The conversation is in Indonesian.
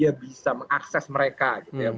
dia bisa mengakses mereka gitu ya